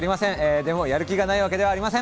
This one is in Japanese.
でも、やる気がないわけではありません。